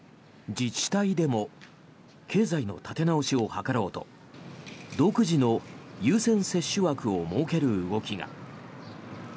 自治体でも経済の立て直しを図ろうと独自の優先接種枠を設ける動きが。